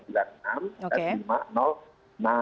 dua ratus sembilan puluh enam dan lima ratus enam